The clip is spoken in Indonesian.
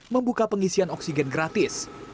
membuka pengisian oksigen gratis